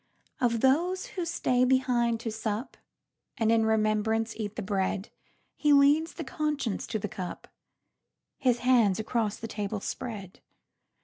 Of those who stay behind to sup, And in remembrance eat the bread, He leads the conscience to the cup, His hands across the table spread.